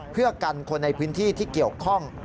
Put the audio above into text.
เพื่อกันคนในพื้นที่ที่เกี่ยวข้อง